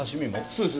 そうです